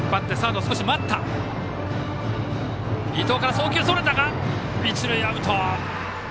送球それたが、一塁アウト。